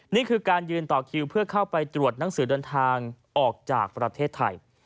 นี่คือการยืนต่อคิวเพื่อเข้าไปตรวจหนังสือเดินทางออกจากประเทศไทย